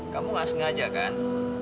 kamu nggak sengaja kan